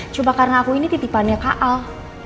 cuma karena aku ini titipannya kak al